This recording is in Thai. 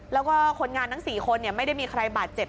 แล้วก็คนงานทั้ง๔คนไม่ได้มีใครบาดเจ็บ